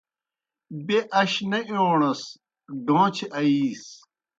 بیْہ اش نہ اِیوݨَس، ڈوݩچھیْ آیِیس۔